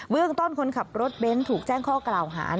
เรื่องต้นคนขับรถเบนท์ถูกแจ้งข้อกล่าวหา